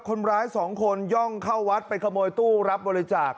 คนร้ายสองคนย่องเข้าวัดไปขโมยตู้รับบริจาค